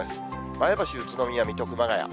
前橋、宇都宮、水戸、熊谷。